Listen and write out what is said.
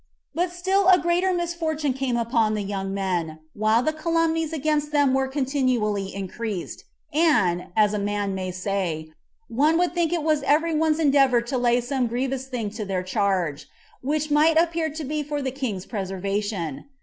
3. But still a greater misfortune came upon the young men; while the calumnies against them were continually increased, and, as a man may say, one would think it was every one's endeavor to lay some grievous thing to their charge, which might appear to be for the king's preservation.